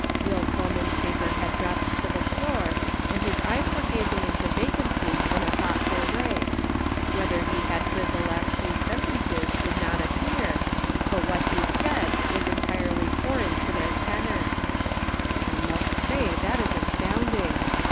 Will Colemari's paper had dropped to the floor, and his eyes were gazing into vacancy in a thoughtful way; whether he had heard the last few sentences did not appear, but what he Measured in Prose. 425 said was entirely foreign to their tenor :" I must say that is astounding